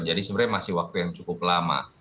jadi sebenarnya masih waktu yang cukup lama